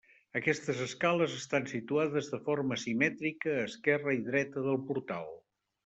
Aquestes escales estan situades de forma simètrica a esquerra i dreta del portal.